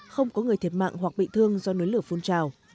không có người thiệt mạng hoặc bị thương do núi lửa phun trào